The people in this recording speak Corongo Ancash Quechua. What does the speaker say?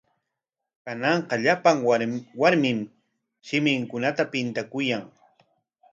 Kanan llapan warmim shiminkunata pintakuyan.